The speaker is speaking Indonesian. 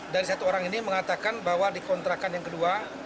dari satu orang ini mengatakan bahwa di kontrakan yang kedua